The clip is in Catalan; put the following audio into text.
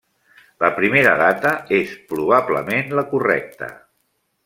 La primera data és probablement la correcta.